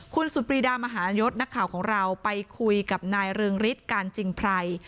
คุณสุดปรีดามหายศนักข่าวของเราไปคุยกับนายเรืองฤทธิ์การจริงไพร